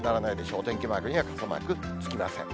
お天気マークには傘マークつきません。